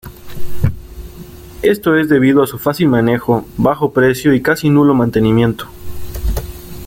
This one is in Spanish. Esto es debido a su fácil manejo, bajo precio y casi nulo mantenimiento.